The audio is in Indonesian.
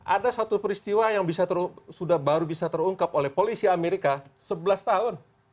ada satu peristiwa yang sudah baru bisa terungkap oleh polisi amerika sebelas tahun